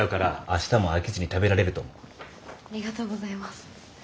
ありがとうございます。